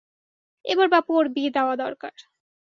এবার বাপু ওর বিয়ে দেওয়া দরকার।